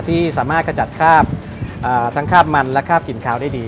ที่สามารถกระจัดคราบทั้งคราบมันและคราบกลิ่นขาวได้ดี